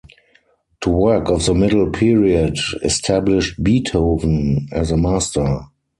The work of the middle period established Beethoven as a master.